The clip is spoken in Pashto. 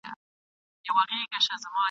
عبدالباري جهاني: څرنګه شعر ولیکو؟ !.